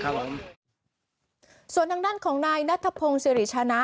อ๋อถ้าเดินไปอยู่ส่วนดังด้านของนายนัทพงศ์สิริชนะ